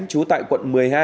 chú tại quận một mươi hai